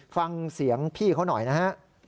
ฟังเสียงพี่เขาหน่อยนะฮะ